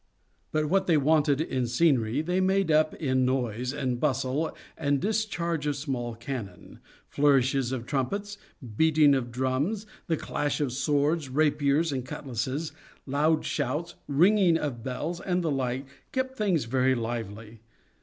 But what they wanted in scenery they made up in noise and bustle — the discharge of small cannon, flourishes of trumpets, beating of drums, the clash of swords, rapiers, and cutlasses, loud shouts, ringing of bells and the like kept things very lively.